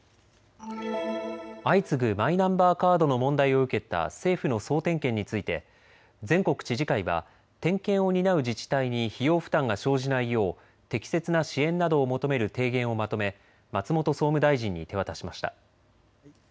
相次ぐマイナンバーカードの問題を受けた政府の総点検について全国知事会は点検を担う自治体に費用負担が生じないよう適切な支援などを求める提言をまとめ松本総務大臣に手渡しました。